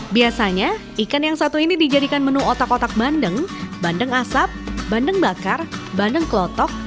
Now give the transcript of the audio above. biasanya ikan yang satu ini dijadikan menu otak otak bandeng bandeng asap bandeng bakar bandeng klotok